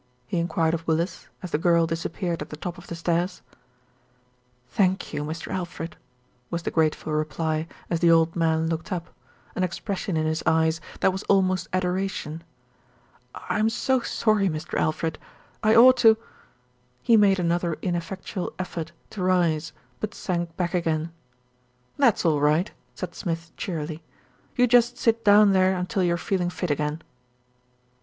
he inquired of Willis, as the girl disappeared at the top of the stairs. "Thank you, Mr. Alfred," was the grateful reply, as the old man looked up, an expression in his eyes that was almost adoration. "I'm so sorry, Mr. Alfred. I ought to " He made another ineffectual effort to rise; but sank back again. "That's all right," said Smith cheerily, "you just sit down there until you're feeling fit again."